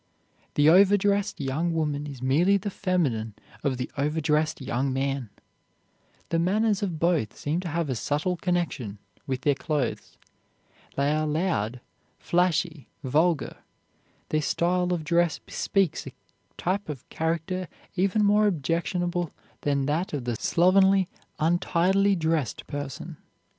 The overdressed young woman is merely the feminine of the overdressed young man. The manners of both seem to have a subtle connection with their clothes. They are loud, flashy, vulgar. Their style of dress bespeaks a type of character even more objectionable than that of the slovenly, untidily dressed person.